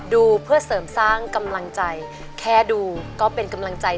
ดูเพื่อเสริมสร้างกำลังใจแค่ดูก็เป็นกำลังใจ